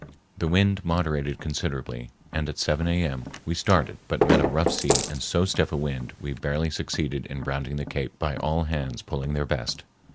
The wind moderated considerably, and at 7 A.M. we started but met a rough sea and so stiff a wind we barely succeeded in rounding the cape by all hands pulling their best.